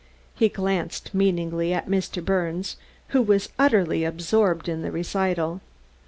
He glanced meaningly at Mr. Birnes, who was utterly absorbed in the recital.